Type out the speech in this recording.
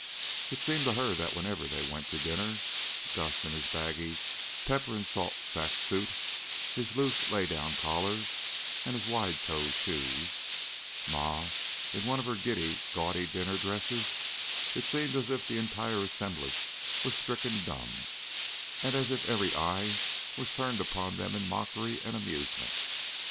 It seemed to her that whenever they went to dinner Gus in his baggy pepper and salt sack suit, his loose, lay down collar, and his wide toed shoes, Ma in one of her giddy, gaudy dinner dresses it seemed as if the entire assemblage was stricken dumb and as if every eye was turned upon them in mockery and amusement.